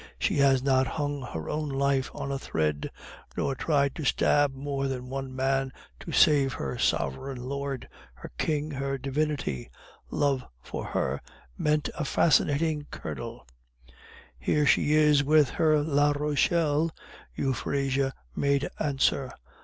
She has not hung her own life on a thread, nor tried to stab more than one man to save her sovereign lord, her king, her divinity.... Love, for her, meant a fascinating colonel." "Here she is with her La Rochelle," Euphrasia made answer.